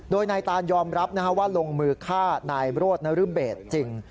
โดยนายตานยอมรับว่าลงมือฆ่านายโรธนรเบศจริง